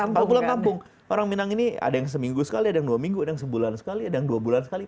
kalau pulang kampung orang minang ini ada yang seminggu sekali ada yang dua minggu ada yang sebulan sekali ada yang dua bulan sekali